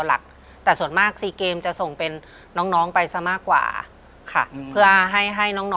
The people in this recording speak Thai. หลักแต่ส่วนมากซีเกมจะส่งเป็นน้องน้องไปซะมากกว่าค่ะเพื่อให้ให้น้อง